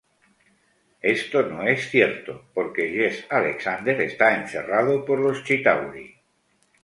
Esto no es cierto, porque Jesse Alexander está encerrado por los Chitauri.